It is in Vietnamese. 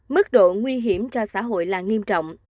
mức độ nguy hiểm cho xã hội là nghiêm trọng